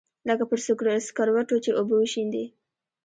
لکه پر سکروټو چې اوبه وشيندې.